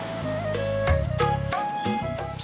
dan diangkat seperti kota copet